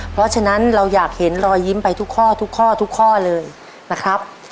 เพราะฉะนั้นเราอยากเห็นรอยยิ้มไปทุกข้อทุกข้อทุกข้อเลยนะครับ